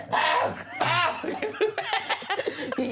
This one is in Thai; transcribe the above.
อ่าอ่า